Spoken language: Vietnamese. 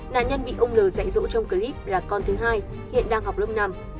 nạn nhân bị ông l dạy dỗ trong clip là con thứ hai hiện đang học lớp năm